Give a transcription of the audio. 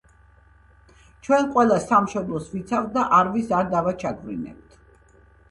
ჩვენ ყველა, სამშბლოს ვიცავთ და არავის, არ დავაჩაგვრინებთ.